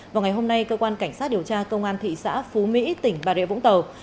vào ngày hôm nay cơ quan cảnh sát điều tra công an thị xã phú mỹ tỉnh bà rịa vũng tàu